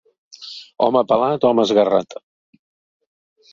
Home pelat, home esgarrat.